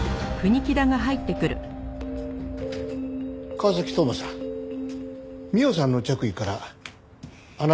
川崎斗真さん美緒さんの着衣からあなたのＤＮＡ